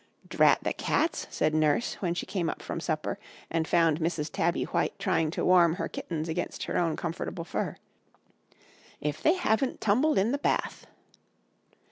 "'Drat the cats!' said Nurse, when she came up from supper, and found Mrs. Tabby White trying to warm her kittens against her own comfortable fur; 'if they haven't tumbled in the bath!'